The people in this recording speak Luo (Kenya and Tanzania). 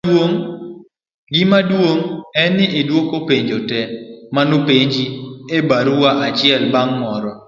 gimaduong' en ni idwoko penjo te manopenji e barua achiel bang' moro